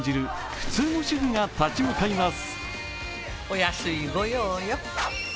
普通の主婦が立ち向かいます。